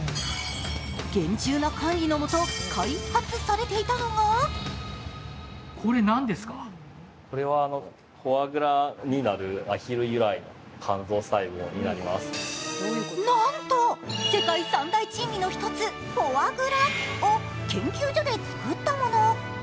厳重な管理の下、開発されていたのがなんと世界三大珍味の１つ、フォアグラを研究所で作ったもの。